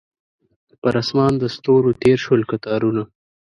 پر اسمان د ستورو تیر شول کتارونه